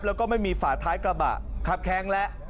แล้วก็ไม่มีฝาท้ายกระบะครับแค้นแล้ว